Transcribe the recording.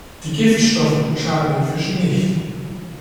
Die Giftstoffe schaden den Fischen nicht.